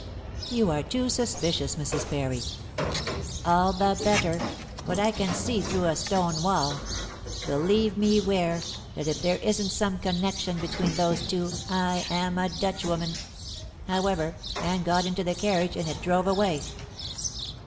"You are too suspicious, Mrs. Parry." "All the better. But I can see through a stone wall. Believe me, Ware, that if there isn't some connection between those two, I am a Dutchwoman. However, Anne got into the carriage and it drove away."